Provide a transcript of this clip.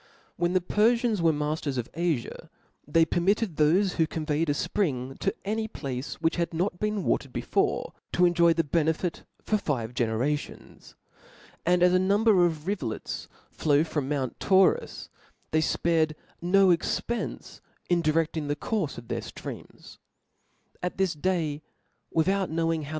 When the Perfians () were mafters of Afia, thfey (0 Poly permitted thofe who conveyed a fpring to any ^"*'^' place, which had not been watered before, to en joy the benefit for five generations ; and as a number of rivulets flowed from mount Taurus, they fpared no expcnce in diredling the courfe of D d 3 their 4o6 T H E S P I R I T Book their ftreams. At this day, without knowing ho^ Ch^p.